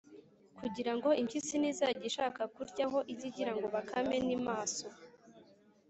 kugira ngo impyisi nizajya ishaka kuryaho, ijye igira ngo bakame ni maso.